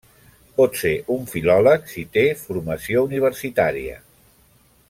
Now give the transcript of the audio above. Pot ser un filòleg si té formació universitària.